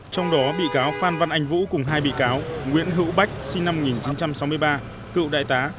trong đó bị cáo phan văn anh vũ cùng hai bị cáo nguyễn hữu bách sinh năm một nghìn chín trăm sáu mươi ba cựu đại tá